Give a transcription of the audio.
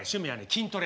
筋トレ！